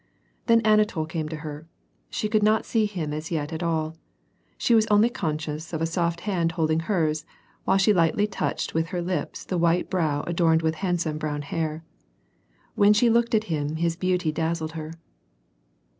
Then Anatol came to her. She could not see him as yet at all. She was only conscious of a soft hand holding hers, while she lightly touched with her lips a white brow adorned with handsome brown hair. ^Vhen she looked at him his beauty dazzled her.